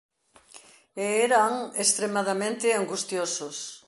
E eran extremadamente angustiosos.